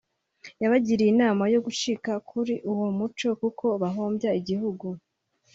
yabagiriye inama yo gucika kuri uwo muco kuko bahombya igihugu